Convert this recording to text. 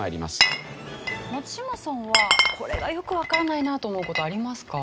松嶋さんはこれがよくわからないなと思う事ありますか？